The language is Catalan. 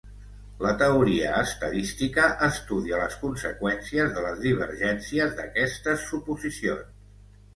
La teoria estadística estudia les conseqüències de les divergències d'aquestes suposicions.